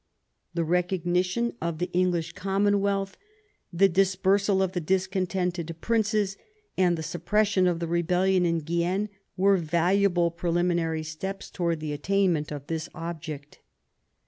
The recognition of the English Commonwealth, the dis persal of the discontented princes, and the suppression of rebellion in Guienne were valuable preliminary steps towards the attainment of this object.